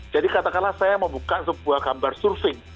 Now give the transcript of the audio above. jadi katakanlah saya mau buka sebuah gambar surat